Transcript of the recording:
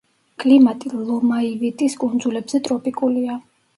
კლიმატი ლომაივიტის კუნძულებზე ტროპიკულია.